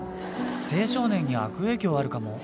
青少年に悪影響あるかも。